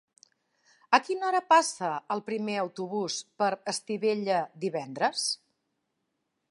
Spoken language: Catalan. A quina hora passa el primer autobús per Estivella divendres?